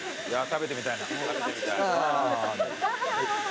いや食べてみたいな。